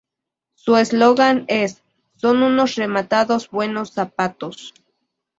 Su eslogan es "Son unos rematados buenos zapatos".